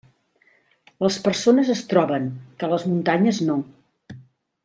Les persones es troben, que les muntanyes no.